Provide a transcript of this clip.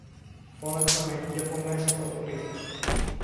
φώναξαν μερικοί από μέσα από το πλήθος.